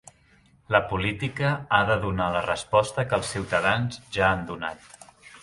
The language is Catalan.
La política ha de donar la resposta que els ciutadans ja han donat